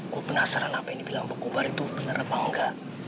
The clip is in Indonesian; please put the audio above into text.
gue penasaran apa yang dibilang pak kobar itu bener apa enggak